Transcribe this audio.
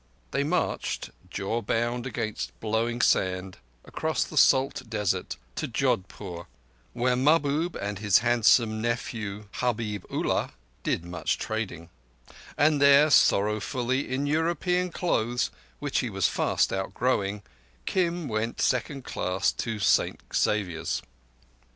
They marched, jaw bound against blowing sand, across the salt desert to Jodhpur, where Mahbub and his handsome nephew Habib Ullah did much trading; and then sorrowfully, in European clothes, which he was fast outgrowing, Kim went second class to St Xavier's.